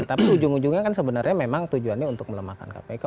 tapi ujung ujungnya kan sebenarnya memang tujuannya untuk melemahkan kpk